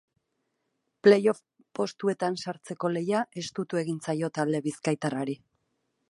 Playoff postuetan sartzeko lehia estutu egin zaio talde bizkaitarrari.